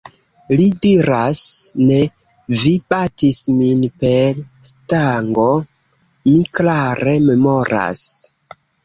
Li diras: "Ne! Vi batis min per stango. Mi klare memoras."